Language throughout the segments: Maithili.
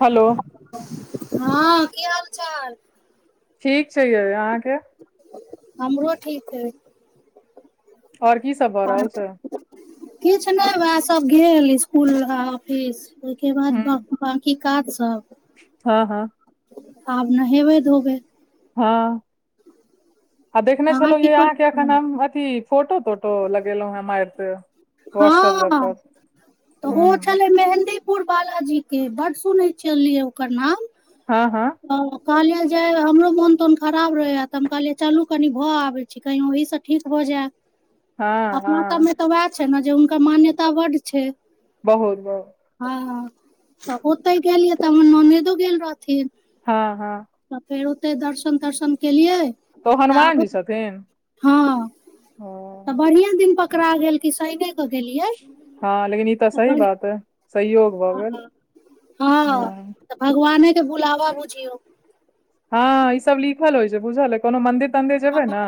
हेलो हँ की हाल चाल ठीक छै यै अहाँके हमरो ठीक है आओर की सब भऽ अइ रहल छै किछु नहि वएह सब गेल इसकुल ऑफिस ओहिके बाद हूँ बाकी काज सभ हँ हँ आब नहेबै धोबे हँ आ देखने अहाँ छलहुँ की यै करै अहाँके अखन छलहुँ हम अथी फोटो तोटो लगेलहु हे मारिटे हँ तऽ ओ हूँ छलै मेहन्दी पुर बालाजी के बड्ड सुनैत छलियै ओकर नाम हँ हँ ह कहलिये जे हमरो मोन तोन खराब रहे हा तऽ हम कहलिये चलू कनि भऽ आबे छी तऽ कहि वहि सँ ठीक भऽ जाए [inaudible] अपना हँ सबमे तऽ उएह छै ने जे हुनकर मान्यता बड्ड छै बहुत बहुत हँ हं तऽ ओतै गेलियै तऽ हमर ननदो गेल रहथिन हँ हँ तऽ फेर ओतै दर्शन तर्शन केलियै तऽ ओ हनुमान आब जी छथिन हँ ओ तऽ बढ़िया दिन पकड़ा गेल कि शाने हँ लेकिन ई तऽ सही बढ़ बात है हँ तऽ भगवाने के बुलावा बुझियौ हँ ई सब लिखल होइ छै बुझल ह कोनो मंदिर तंदिर हँ जेबै न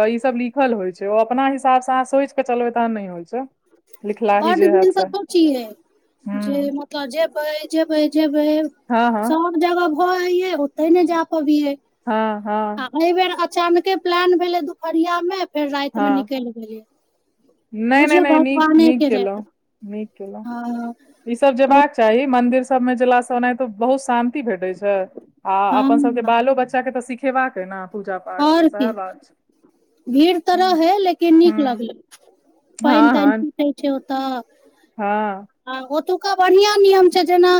तऽ ई सब लिखल होइ छै ओ अपना हिसाब से अहाँ सोइच केऽ चलबै तहन नहि होइ छै लिखलाही बड जे दिन हैत तऽ से सोचीए जे हुँ मत तऽ जेबै जेबै जेबै हँ हँ सब जगह भऽअइ ओतै नहि जा पाबियै हँ हँ आ अइ बेर अचानके प्लान भेलै दुपहरिया में फेर राति में निकलि गेलयै नइ नइ नइ नीक नीक के केलौं रहै नीक केलौं हँ ई सभ तो जायबाके चाही, मंदिर सभमे जा कऽ। ओनाहिमे तऽ बहुत शान्ति भेटैत छै। आ अपन सभकेँ हँ बाल बच्चाकेँ तऽ सिखेबाक ह ने पूजा पाठ, तऽ आओर सएह की बात छै। भीड़ तऽ हुँ रहै छै, लेकिन नीक हुँ लगै छै। पाइन हँ ताइन हँ छुटै छै ओतऽ। हँ आ ओतुक्का बढ़िया नियम छै, जेना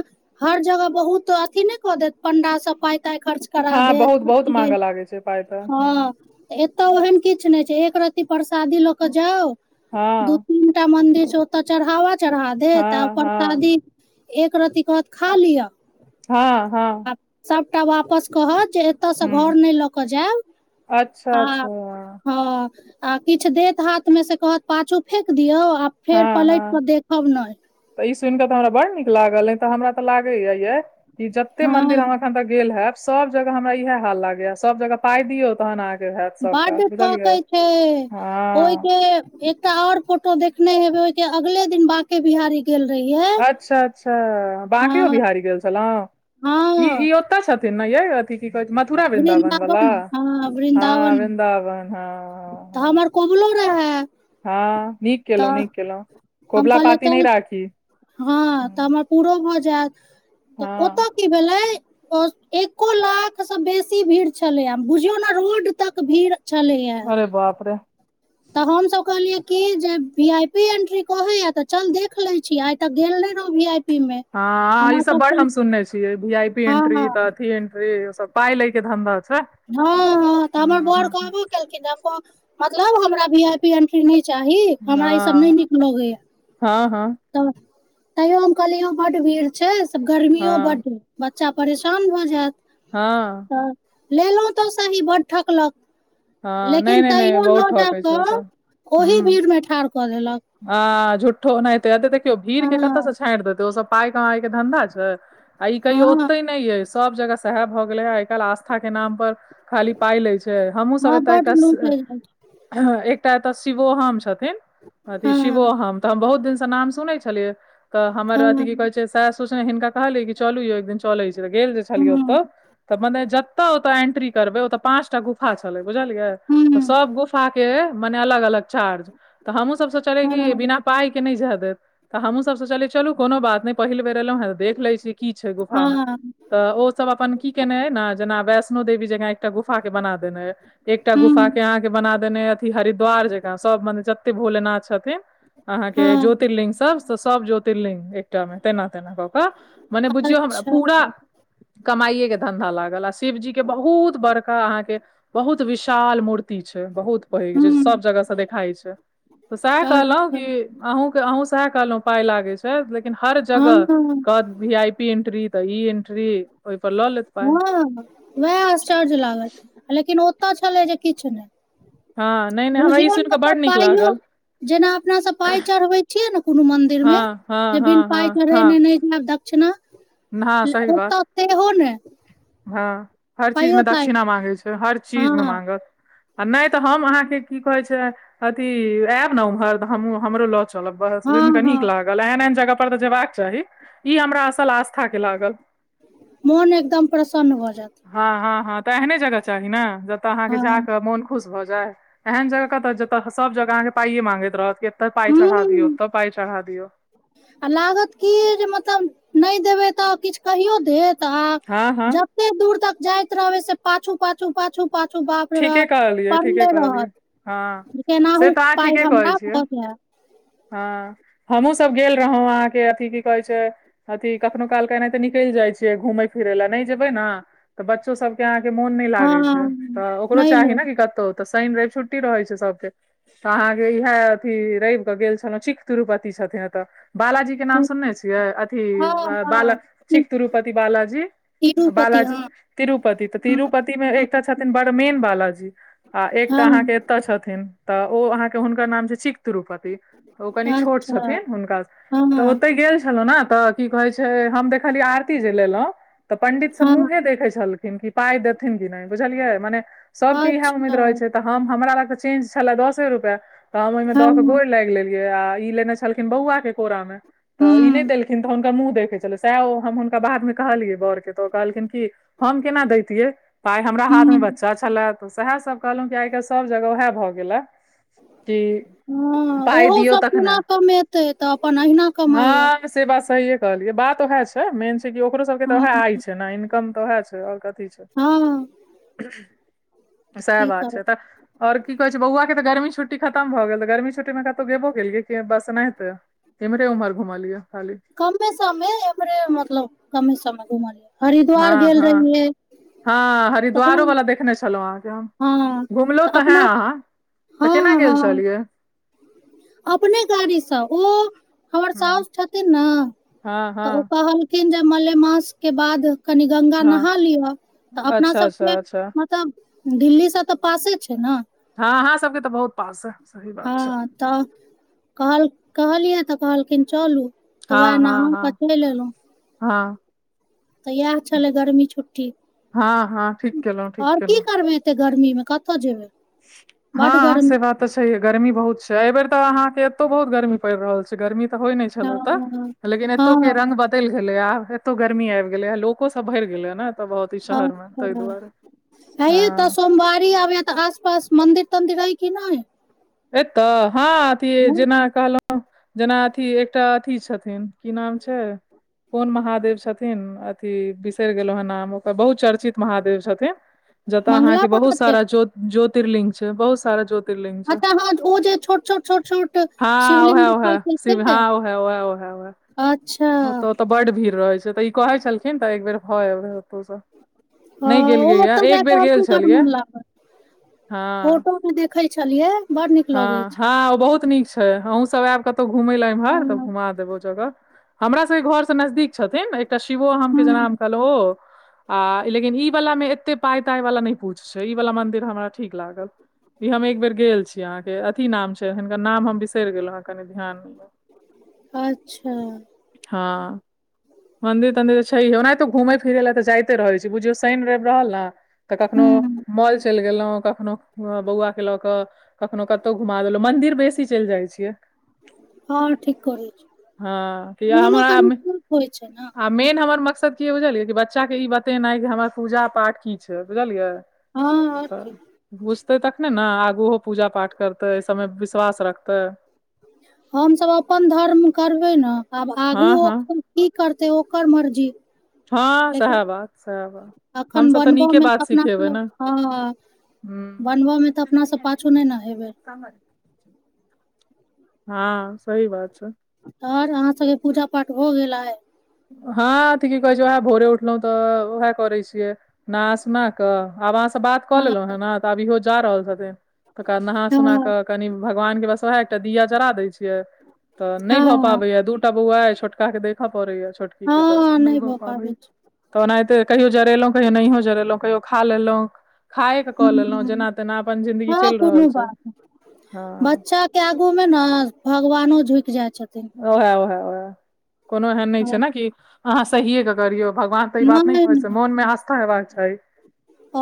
हर जगह बहुत एथि नहि कऽ देत। पंडा सभ पाई ताई खर्च करा हँ देत बहुत बहुत माँगऽ लागै छै पाइ तऽ हुँ हँ। एतय ओहन किछु नहि छै, एक रत्ती प्रसादी लऽ कऽ जाउ, दू हँ तीन। एकटा मंदिर छै, ओतऽ चढ़ावा चढ़ा देत, हँ हँ प्रसादी। एकरत्ती कहत, खा लिअ। हँ हँ आ सभटा वापस कहत, जे एतयसँ हुँ घर नहि लऽ कऽ जाउ। अच्छा अच्छा हँ, आ किछु देत हाथमे, से कहत पाछू फेकि दियौ। फेर हँ पलटि हँ कऽ देखब नहि तऽ ई सुनि कऽ हमरा बड़ नीक लागल अ, तऽ हमरा तऽ लागै यऽ कि जतेक मन्दिर हँ अखन तऽ गेल हैब सभ जगह, हमरा इएह हाल लागै सब जगह, पाई दिअ तखन आ। बड्ड ठकै छै। हँ ओइके एकटा और देखने हेबै, ओहि के अगिला दिन बाँके बिहारी। गेल रहीअइ। अच्छा अच्छा, बाँके बिहारी गेल छलहुँ हँ ई। ओतऽ छथिन ने, जे एथि की कहै छै? मथुरा वृन्दावन वाला हँ हँ, वृन्दावन वृन्दावन। हँ तऽ हँ हमर कुबोलो रहै। हँ, नीक केलहुँ, नीक केलहुँ, हम कोबला कहलियै पाती नहि चल राखी। हँ, तऽ हमर पूरो भऽ जायत, तऽ हँ ओतऽ की भेलै? ओ एक लाखसँ बेसी भीड़ छलैए, बुझियौ ने, रोड धरि भीड़। छलैया अरे बाप रे। तऽ हमसभ कहलियै कि जे वीआईपी एंट्री कहै छै, तऽ चल, देख लेलियै। आइ तक गेल नहि रही वीआईपी। हँ, ई सभ बड़ सुनने छी। वीआईपी हँ हँ एंट्री तऽ एथि एंट्री, ओ सभ पाई लऽ कऽ धंधा छै। हँ हँ, तऽ हमर हूँ बड़ हूँ कहबो केलखिन, हम मतलब हमरा भी आइ। वीआईपी एंट्री नहि चाही हमरा, ई सभ नहि हँ नीक लगैए। हँ हँ तऽ तैयो हम कहलियै, बड्ड भीड़ छै से, गर्मी सेहो हँ बड्ड। बच्चा परेशान भऽ जायत। हँ लेलहुँ तऽ सही, बड़ ठकलक। हँ नहि लेकिन नहि नहि तैयो बहुत लऽ जा ठकै छै ओ कऽ सब ओहि भीड़मे ठाढ़ कऽ देलक। हँ, झूठो नेते देखियौ, भीड़के कतऽसँ हँ छोड़ि देतै ओ सभ। पाई कमाइके धंधा छै आ ई कहियो हँ ओते नहि, सभ जगह। सभ भऽ गेलै हे आइकाल्हि, आस्थाके नाम पर खाली पाई लऽ छै। सभ हँ एतऽ बड एकटा। लूट होइ छै एकटा एतऽ शिवोहम छथि, अथी हँ शिवोहम तऽ हम बहुत दिनसँ नाम सुनै छी। तऽ हमर हँ अथ हँ की कहै छै? सोचने हिनका कहलियै कि चलू यौ, एक दिन चल गेल जे छलियै हूँ ओतऽ। तऽ मने जतेक ओतऽ एंट्री करबै, ओतऽ पाँचटा गुफा छै। बुझलियै, हँ सभ गुफाकेँ मने अलग अलग चार्ज छै तऽ हमहुँ सभ सोचलियै। चले कि बिना पाईके नहि जे देत, तऽ हमहुँ सभ सोचलियै, चलू कोनो बात नहि, पहिल बेर एलहुँ हे, देख लै छी। की छै गुफामे हँ तऽ ओसभ अपन की केने हइ ने, जेना वैष्णो देवी जकाँ एकटा गुफा बना देने हइ। एकटा गुफा के हूँ अहाँ के बना देने अथी हरिद्वार जकाँ सब माने जते भोलेनाथ छथिन अहाँ के हँ ज्योतिर्लिंग सब से सब ज्योतिर्लिंग एकटा मे तेना तेनाके त मने बुझियौ हमरा अच्छा पूरा कमाइएके धन्धा लागल आ शिवजी के बहुत बड़का अहाँके बहुत विशाल मूर्ति छै बहुत पैघ जे सब हूँ जगह से देखाइ छै तऽ सएह कहलहुँ अच्छा कि अहूँके अहूँ सएह कहलहुँ पाइ लागै छै लेकिन हर हँ जगह कहत भी आई पी एन्ट्री तऽ ई एन्ट्री हँ वएह आश्चर्य लागल लेकिन ओतय छलै जे किछु नहि हँ नहि नहि हमरा ई बुझियौ सुनि ने कऽ ओता बड नीक पाइयो लागल जेना अपना सब पाइ चढ़बै छियै ने कोनो मन्दिर दिर मे हँ हँ जे बिन हँ हँ पाइ चढ़ेने हँ नई जेब दक्षिणा हँ ल- सही बात ओतऽ सेहो ने हँ हर चीजमे पाइयो ताइ दक्षिणा मांगै छै हर चीज मे हँ मांगत आ नहि त हम अहाँ के की कहै छियै अथी एयब ने उम्हर तऽ हमहूँ हमरो ल चलब चल बस हँ सुनि कऽ हँ नीक लागल एहन एहन जगह पर तऽ जेयबाक चाही ई हमरा असल आस्था के लागल मन एकदम प्रसन्न भऽ जेत हँ हँ हँ तऽ एहने जगह चाही ने जतय अहाँके हँ जाकऽ मोन खुश भऽ जाय एहन जगह कतऽ जतऽ सब जगह अहाँके पाइए मांगैत रहत तऽ पाइ चढ़ा दियौ हूँ छतऽ पाइ चढ़ा दियौ आ लागत की जे मतलब नहि देबै तऽ किछु कहियो देत त आ हँ हँ जते दूर तक जाइत रहबै से पाछू पाछू पाछू पाछू बाप रौ बा ठीके कहलियै ठीके पड़ले कहलियै रहत हँ जे से केनाहु तऽ अहाँ पाइ ठीके कहै हमरा छियै भऽ जे हँ हमहुँ सब गेल रहौ अहाँके अथी की कहै छै अथी कखनो कालके एनाहिते निकैल जाइ छियै घूमै फिरय लए नहि जेबै ने तऽ बच्चो सब के अहाँ के मोन नै लागे छै हँ तऽ ओकरो नहि लो चाही ने की कतौ तऽ शनि रवि छुट्टी रहै छै सबके तऽ अहाँके इएहे अथी रवि केऽ गेल छलौ चीख तिरुपति छथिन एतऽ बालाजी के नाम हँ सुनने छियै अथी बाला हँ चीख तिरुपति बालाजी तिरुपति बालाजी हँ तिरुपति तऽ तिरुपति मे एकटा छथिन बड़ मेन बालाजी आ एकटा हँ अहाँके तऽ छथिन तऽ ओ अहाँके हुनकर नाम छै चिख तिरुपति ओ कनि छोट अच्छा छथिन हुनका तऽ हँ ओतहि गेल छलहु ने तऽ की कहै छै हम देखलियै आरती जे लेलहुँ तऽ पंडित सब हँ मुंहे देखे छलखिन कि पाई देथिन कि नहि बुझलियै मने सबके इहे अच्छा उम्मीद रहै छै तऽ हम हमरा लगके चेंज छलै दसे रुपए तऽ हम ओहिमे हँ दऽ के गोर लागि लेलियै आ ई लेने छलखिन बौआ के कोरामे तऽ ई नहि हुँ देलखिन तऽ हुनका मुँह देखै छलै सएह ओ हम हुनका बादमे कहलियै बड़के तऽ ओ कहलखिन कि हम केना दैतियै पाइ हमरा हाथ मे हुँ बच्चा छले तऽ सएह सब कहलहुं की आइ काल्हि सभ जगह उएह भऽ गेले कि हँ पाइ ओहो दियौ सब तखने कोना कमेतै तऽ अपन अहिना कमाइया हँ से बात सहिये कहलियै बात ओएह छै मेन छै कि ओकरो सबके के तऽ हँ ओएह आइ छै ने इनकम तऽ उएह छै आओर कथी छै हँ सएह की बात छै करबै तऽ आओर की कहै छै बौआके तऽ गर्मी छुट्टी खतम भऽ गेल तऽ गर्मी छु्ट्टीमे कतहु गेबो किलियै कि बस अनाहिते एम्हरे उम्हर घुमालियै खाली कमे समे एम्हरे मतलब कमे समे घुमलियै हँ हरिद्वार गेल हँ रहियै हँ हरिद्वारो तखन वाला देखने छलहुँ हँ अहाँके घुमलहुँ तऽ हैं अपना अहाँ तऽ केना हँ गेल हँ छलियै अपने गाड़ीसँ ओ हमर हूँ सासु छथिन ना हँ तऽ ओ हँ कहलखिन खिन जे मलेमास के बाद कनी गंगा नहा हँ लिअ तऽ अपना अच्छा सबके अच्छा अच्छा तब दिल्ली सब तऽ पासे छै ने हँ अहाँ सबके तऽ बहुत पास ह हँ तऽ कहल कहलियै तऽ कहलखिन चलू तऽ हँ वएह नहा हँ हँ कऽ चलि एलहुँ हँ तऽ इएह छलै गर्मी छुट्टी हँ हँ ठीक केलहुँ ठीक आओर की केलहुँ करबै एत्तेऽ गर्मी मे कतऽ जेबै बड हँ गर्मी से बात तऽ छैे हे गर्मी बहुत छै एहिबेर तऽ अहाँके एतौ बहुत गर्मी पैड़ रहल छै गरमी तऽ होय नहि छल हँ लेकिन एत्तो के हँ बतल गेलय आब एतो गर्मी आबि गेलय लोको सब भरि गेलये ने तऽ बहुत ई शहर मे ताहि अचछा दुआरे हे य तऽ हँ सोमवारी आबैये तऽ आब पास मन्दिर तन्दिर अय की नहिै एतऽ हँ अथी हँ, जेना कहलौ जेना अथी एकटा अथी छथिन की नाम छै कोन महादेव छथिन अथि बिसरि गेलहु हन नाम ओकर बहुत चर्चित महादेव छथिन जतऽ मंगला अहाँके बहुत महादेव सारा ज्यो ज्योतिर्लिंग छै बहुत सारा ज्योति अच्छा हाँ ओ जे छोट छोट छोट छोट हँ ओहे शिवलिंग देखाइ ओहे छै शिव हँ से ओहे ओहे हँ अच्छा ओ त तऽ बड भीड़ रहैत छै तऽ ई कहै छलखिन तऽ एकबेर भऽ एबै नहि हँ, ओ गेलियै या एक बेर गेल छलिये फोटोमे देखैत छलियै बड़ नीक लगै हँ छै हँ ओ बहुत नीक छै अहूँसभ आयब कतहु घुमय लए हँ एम्हर तऽ घुमा देब ओ जगह हमरा सबके घर से नजदीक छथिन तऽ शिवो हम के हूँ जेना कहलो आ लेकिन ई वाला मे एते पाय ताय वाला नहि पूछ छै ई वाला मंदिर हमरा ठीक लागल ई हम एक बेर गेल छी अहां के अथी नाम छै हिनकर नाम हम बिसरि गेलो हँ कनि ध्यान अच्छा हँ मन्दिर तन्दिर तऽ छै हे ओनाहितो घूमैत फिरै लए तऽ जाइते रहै छै बुझियौ शनि रवि रहल ने तऽ कखनो हँ मॉल चलि गेलहुँ कखनोहु बौआकेँ लऽ कऽ कखनो कतहु घुमा लेलहुँ मन्दिर बेसी चलि जाय छियै हँ ठीक करै छी हँ कि या मोनो हमरा क होइ छै ने आ मेन हमर मकसद की बुझलियै कि बच्चाके ई बतेनाइ कि हमर पूजा पाठ की छै बुझलियै आओर तऽ की बुझतै तखने ने आगू ओहो पूजा पाठ करतै आय सबमे विश्वास रखतै हमसभ अपन धर्म करबै ने आब हँ आगू हँ की करतै ओकर मर्जी हँ लेकिन सएह बात सएह बात एखन हमसभ तऽ नीके बनबयमे बात तऽ सिखेबै अपनासभ ने हँ हूँ बनबऽ मे तऽ अपना सब पाछू नहि ने हेबै [unintelligible] हँ सही बात छै आर अहाँ सबके पूजा पाठ हो गेल आय हँ ती की कहै छै उएह भोरे उठलहुं तऽ उएह करै छियै नहा सुना कऽ आब अहाँ से बात कऽ हँ लेलहुँ हे ने तऽ आब इहो जा रहल छथिन तकरा नहा सुना हँ कऽ कनि भगवान के बस उएह एकटा दिया जरा दैत छै तऽ नहि भऽ हँ पाबैया दूटा बौआ छोटका के देखऽ पड़ैय ठीके तऽ हँ नहि ब भऽ पबै पाबै छै तऽ ओनाहिते कहियो जरेलहुँ कहियो नहिय जरेलहुँ कहियो खा लेलहुँ खाय के कऽ हूँ लेलहुँं हूँ जेना तेना अपन जिंन्दगी हँ चलि रहल कोनो छै बात हँ बच्चा के आगू में ने भगवानो झुकि जाय छथिन ओहे ओहै ओहै कोनो एहन न ह छै ने कि अहाँ सहिए के करियौ भगवान तऽ ई बात नहि कहे छै मोन मे आस्था हेबाक छै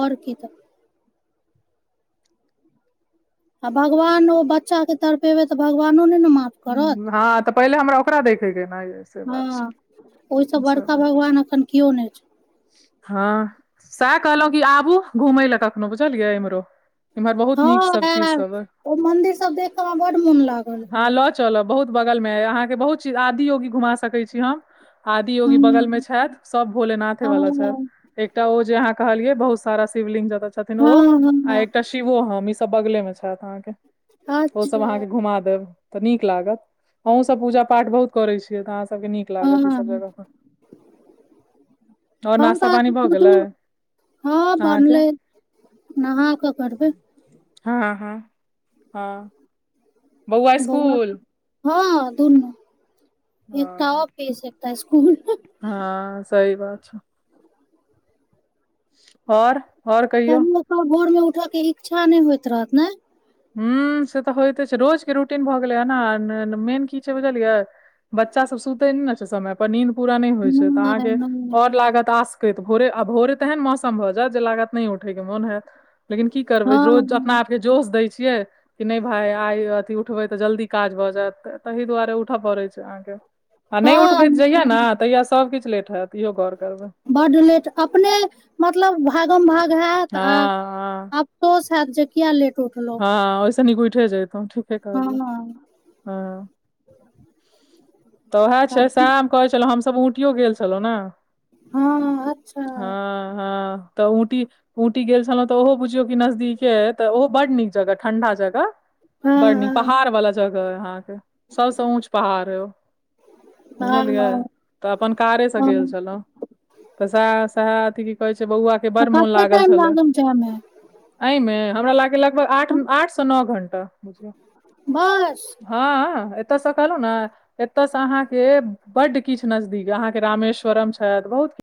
आओर की तऽ आ भगवान ओ बच्चा के तड़पेबे तऽ भगवानो ने मा हँ तऽ पहिले हमरा ओकरा देखयके ने से हँ बात छै ओहिसँ बड़का भगवान एखन केओ नहि छै हँ सएह कहलहुं की आबू घुमय लए कखनो बुझलियै इम्हरो इम्हर बहुत हँ नीक सब चीज आ सब अइ ओ मंदिर सब देख में बड मोन लागल चल बहुत बगल मे अय अहाँके बहुत चीज आदि योगी घुमा सकैत छी हम आदि ह योगी बगलमे छथि सभ भोलेनाथे हँ वला छथि एकटा ओ जे अहाँ कहलियै बहुत सारा शिवलिंग ज छथिन ओ हँ आ हँ एकटा शिवो हम ई सब बगले मे छथि अहाँके ओ सब अहाँके अच्छा घुमा देब तऽ नीक लागत अहहुं सब पूजा पाठ बहुत करे छियै ते अहाँ सब के नीक नीक लागत हँ सब जगह पर हम तऽ गेलै बुझु हँ अहाँके बनले नहाकऽ करबै हँ हँ हँ बौआ ह दुनू एकटा हँ ऑफिस एकटा इसकुल हँ सही बात छै आओर कनि ओकर भोर मे उठय के इच्छा नहि होइत रहत ने हू से तऽ होइते छै रोजके रूटीन भऽ गेलै हे ने मेन की छै बुझलियै बच्चा सब सुते ने ने छै समय पर नीद पूरा नहि होइ छै तऽ अहाँके आओर लागत आस केर भोरे आब भोरे तेहन मौसम भऽ जैत जे लागत नहि उठय के मोन होयत लेकिन की करबै हँ रोज अपना हँ आप के जोश दैय छियै कि नहि भाय आइ अथी उठबै तऽ जल्दी काज भऽ जायत ताहि दुआरे उठय पड़े छै अहाँ के आ नहि उठबे तऽ जहिया ने हँ तहिया सभकिछ लेट होयत इहो गौर करबै बड्ड लेट अपने मतलब भागम भाग होयत हँ आ हँ अफसोस हैत जे किया लेट उठलौं हँ ओहिसँ नीक उठे जेतो ठीके कहल हँ हँ तऽ उहै छै तऽ सैहे हम कहै छलहूँ हमसब ऊटियो गेल छलहूँ ने हँ अच्छा हाँ हाँ तऽ ऊंटी ऊंटी गेल छलहुौं तऽ ओहो बुझियौ की नजदीके अयै तऽ ओहो बड्ड नीक जगह ठंडा जगह बड्ड नीक हँ पहाड़ वला जगह अए अहाँके सबसँ ऊँच पहाड़ हइ ओ हँ बुझलियै हँ तऽ अपन कारेसँ गेल हँ छलहुँं तऽ स-सा अथी की कहे छै बौआ के बड़ मोन लागल छल हरदम जाम हा एहिमे हमरा लागै लगभग आठ आठसँ नओ घण्टा बुझऽ बस हाँ एतऽ स कहलू ने एतयसँ अहाँके बड्ड किछु नजदीक अहाँके रामेश्वरम छथि बहुत किछ